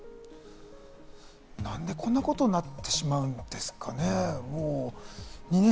なんでこんなことになってしまうんですかね。